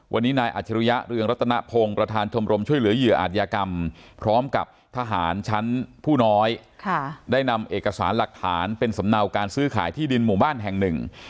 วันนี้นายอัจฉริยะเรืองรัตนพงศ์ประธานชมรมช่วยเหลือเหยื่ออาจยากรรมพร้อมกับทหารชั้นผู้น้อยได้นำเอกสารหลักฐานเป็นสำเนาการซื้อขายที่ดินหมู่บ้านแห่งหนึ่ง